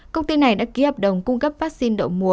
công ty này đã ký hợp đồng cung cấp vaccine đậu mùa